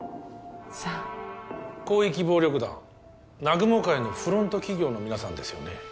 さあ広域暴力団南雲会のフロント企業の皆さんですよね